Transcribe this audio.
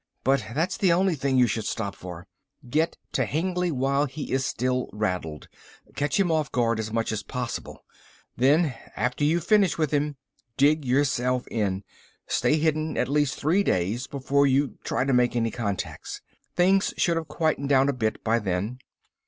"But that's the only thing you should stop for. Get to Hengly while he is still rattled, catch him off guard as much as possible. Then after you finish with him dig yourself in. Stay hidden at least three days before you try to make any contacts. Things should have quieted down a bit by then."